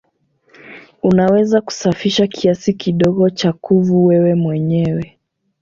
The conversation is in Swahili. Unaweza kusafisha kiasi kidogo cha kuvu wewe mwenyewe.